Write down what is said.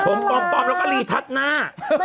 ผมปลอมแล้วก็รีทัศน์หน้า